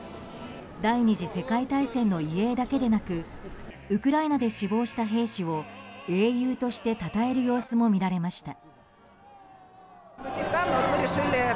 第２次世界大戦の遺影だけでなくウクライナで死亡した兵士を英雄としてたたえる様子もみられました。